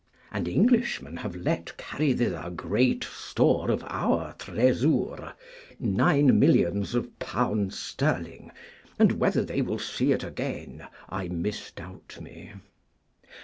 And Englishmen have let carry thither great store of our Thresoure, 9,000,000 of Pounds sterling, and whether they will see it agen I misdoubt me.